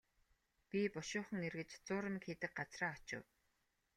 Би бушуухан эргэж зуурмаг хийдэг газраа очив.